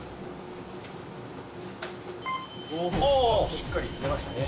しっかり出ましたね。